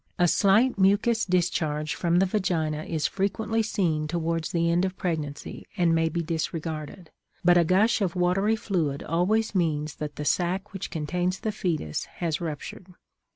A slight mucous discharge from the vagina is frequently seen toward the end of pregnancy and may be disregarded, but a gush of watery fluid always means that the sac which contains the fetus has ruptured.